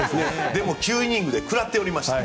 でも９イニングで食らっておりました。